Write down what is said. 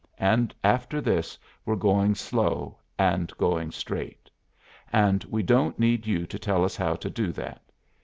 And after this we're going slow and going straight. And we don't need you to tell us how to do that.